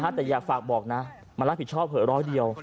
แต่อยากฝากบอกนะมารับผิดชอบเผลอร้อยเดียว